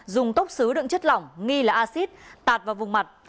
dùng tốc xứ đựng chất lỏng nghi là acid tạt vào vùng mặt